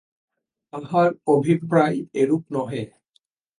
তাঁহার অভিপ্রায় এরূপ নহে।